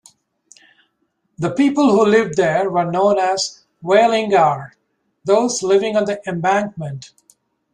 The people who lived there were known as "vaellingar", "those living on the embankment".